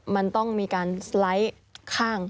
มันต้องมีการสไลด์ข้าง